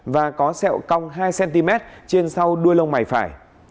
và có sẹo cong hai cm trên sau đuôi lông mày phải